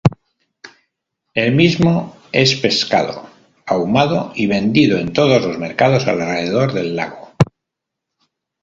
El mismo es pescado, ahumado y vendido en todos los mercados alrededor del lago.